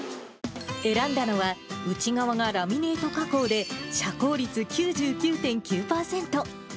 選んだのは内側がラミネート加工で、遮光率９９．９％。